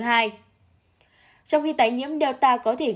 trong khi tái nhiễm delta có triệu chứng